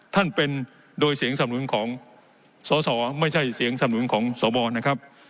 ท่านเป็นโดยเสียงสำนุนของสอสอไม่ใช่เสียงสนุนของสวนะครับ